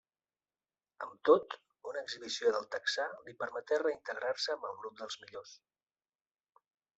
Amb tot, una exhibició del texà li permeté reintegrar-se amb el grup dels millors.